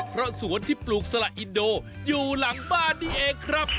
เพราะสวนที่ปลูกสละอินโดอยู่หลังบ้านนี่เองครับ